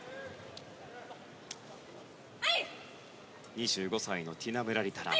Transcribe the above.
２５歳のティナ・ムラリタラン。